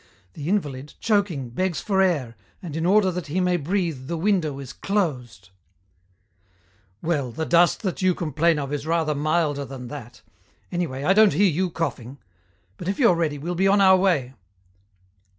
The invalid, choking, begs for air, and in order that he may breathe the window is closed. "Well, the dust that you complain of is rather milder than that. Anyway I don't hear you coughing.... But if you're ready we'll be on our way."